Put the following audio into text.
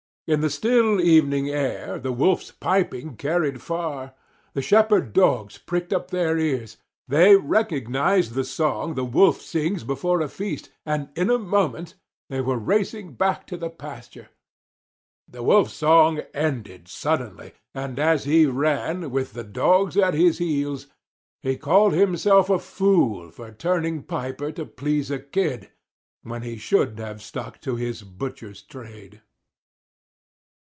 In the still evening air the Wolf's piping carried far. The Shepherd Dogs pricked up their ears. They recognized the song the Wolf sings before a feast, and in a moment they were racing back to the pasture. The Wolf's song ended suddenly, and as he ran, with the Dogs at his heels, he called himself a fool for turning piper to please a Kid, when he should have stuck to his butcher's trade.